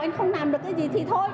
anh không làm được cái gì thì thôi